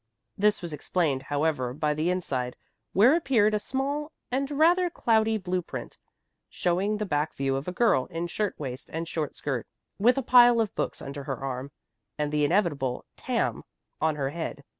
This was explained, however, by the inside, where appeared a small and rather cloudy blue print, showing the back view of a girl in shirt waist and short skirt, with a pile of books under her arm, and the inevitable "tam" on her head.